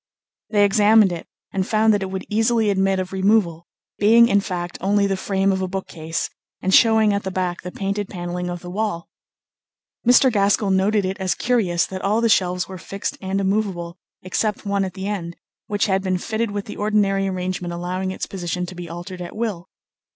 They examined it and found that it would easily admit of removal, being, in fact, only the frame of a bookcase, and showing at the back the painted panelling of the wall. Mr. Gaskell noted it as curious that all the shelves were fixed and immovable except one at the end, which had been fitted with the ordinary arrangement allowing its position to be altered at will.